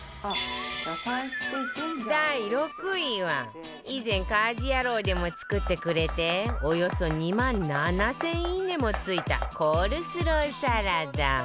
第６位は以前『家事ヤロウ！！！』でも作ってくれておよそ２万７０００いいね！もついたコールスローサラダ